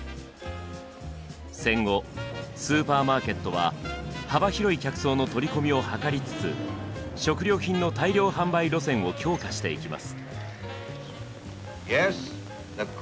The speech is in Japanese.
戦後スーパーマーケットは幅広い客層の取り込みを図りつつ食料品の大量販売路線を強化していきます。